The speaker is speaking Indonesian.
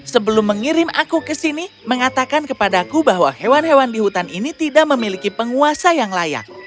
sebelum mengirim aku ke sini mengatakan kepadaku bahwa hewan hewan di hutan ini tidak memiliki penguasa yang layak